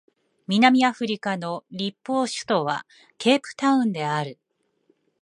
南アフリカの立法首都はケープタウンである